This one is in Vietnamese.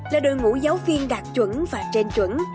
là đội ngũ giáo viên đạt chuẩn và trên chuẩn